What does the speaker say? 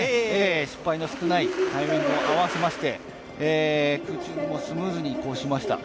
失敗の少ない、タイミングも合わせまして空中にもスムーズに移行しました。